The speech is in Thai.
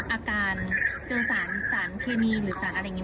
อาการเจริญสารสารเคมีหรือสารอะไรอย่างนี้ไหม